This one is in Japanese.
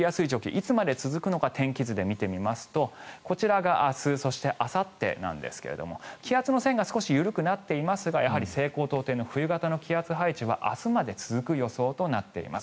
いつまで続くのか天気図で見てみますとこちらが明日そして、あさってなんですが気圧の線が少し緩くなっていますが西高東低の冬型の気圧配置は明日まで続く予想となっています。